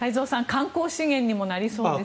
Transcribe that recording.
観光資源にもなりそうですよね。